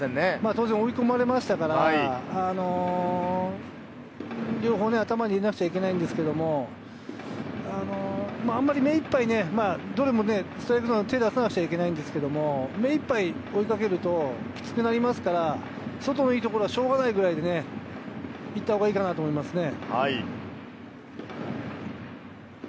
当然、追い込まれましたから、両方、頭に入れなくちゃいけないんですけれど、あんまり目いっぱい、どれも手をださなくちゃいけないんですけれど、目いっぱい追いかけるときつくなりますから、外のいいところはしょうがないぐらいでね、いったほうがいいかなと思いますね。